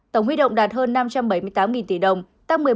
tổng huy động đạt hơn năm trăm bảy mươi tám tỷ đồng tăng một mươi một ba